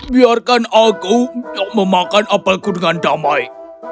biarkan aku memakan apelku dengan damai